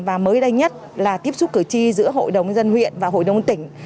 và mới đây nhất là tiếp xúc cử tri giữa hội đồng dân huyện và hội đồng tỉnh